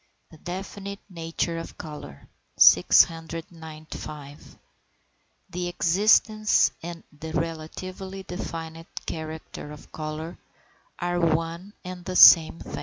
THE DEFINITE NATURE OF COLOUR. 695. The existence and the relatively definite character of colour are one and the same thing.